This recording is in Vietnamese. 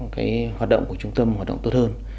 cái hoạt động của trung tâm hoạt động tốt hơn